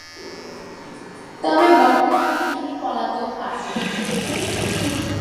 তবে বর্তমানে তিনি পলাতক আছেন।